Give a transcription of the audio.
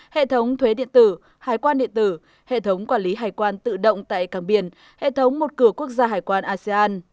hệ thống thuế điện tử hải quan điện tử hệ thống quản lý hải quan tự động tại cảng biển hệ thống một cửa quốc gia hải quan asean